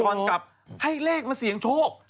ก่อนกลับให้เลขมาเสี่ยงโชค